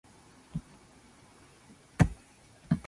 ハンバーグはとても美味しいです。